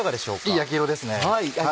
いい焼き色ですね。